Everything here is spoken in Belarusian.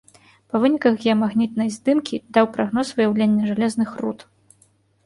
Па выніках геамагнітнай здымкі даў прагноз выяўлення жалезных руд.